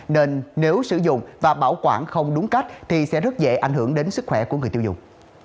nên nếu sử dụng và bảo quản không đúng cách thì sẽ rất dễ ảnh hưởng đến sức khỏe của người tiêu dùng